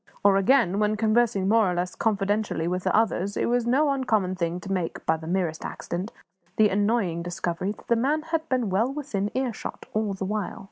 Or again, when conversing more or less confidentially with others, it was no uncommon thing to make, by the merest accident, the annoying discovery that the man had been well within earshot all the while.